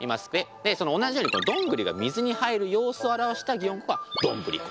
で同じようにドングリが水に入る様子を表した擬音語が「どんぶりこ」。